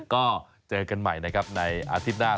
ก็เจอกันใหม่นะครับในอาทิตย์หน้า